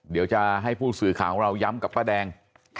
เดี๋ยวจะให้ผู้สื่อข่าวของเราย้ำกับป้าแดง